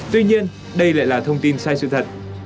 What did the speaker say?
tuy nhiên đây lại là thông tin sai sự thật